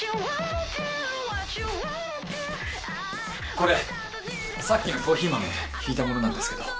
これさっきのコーヒー豆ひいたものなんですけど。